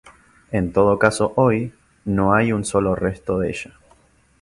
En todo caso hoy, no hay un solo resto de ella.